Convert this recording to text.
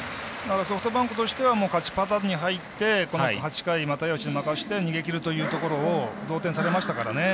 ソフトバンクとしては勝ちパターンに入って、この８回又吉に任せて逃げきるというところを同点にされましたからね。